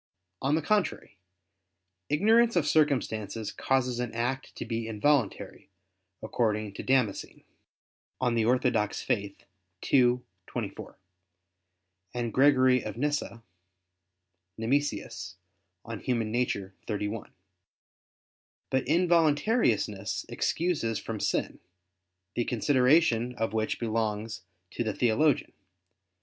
On the contrary, Ignorance of circumstances causes an act to be involuntary, according to Damascene (De Fide Orth. ii, 24) and Gregory of Nyssa [*Nemesius, De Nat. Hom. xxxi.]. But involuntariness excuses from sin, the consideration of which belongs to the theologian.